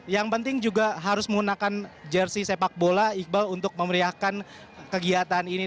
yang penting juga harus menggunakan jersi sepak bola iqbal untuk memeriahkan kegiatan ini